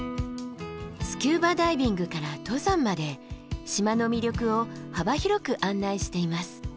スキューバダイビングから登山まで島の魅力を幅広く案内しています。